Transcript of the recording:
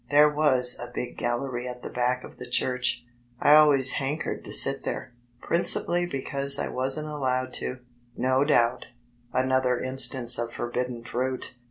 There was a big gallery at the back of the church. I always hankered to sit there, principally because I wasn't allowed to, no doubt, another instance of forbidden fruit!